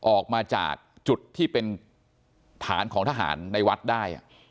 ออกมาจากจุดที่เป็นฐานของทหารในวัดได้